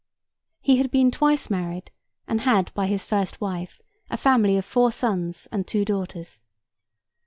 He had been twice married, and had, by his first wife, a family of four sons and two daughters.